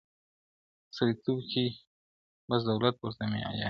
• سړیتوب کي بس دولت ورته مِعیار دی,